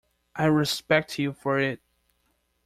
I respect you for it.